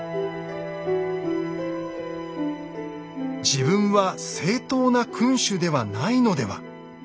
自分は正統な君主ではないのでは。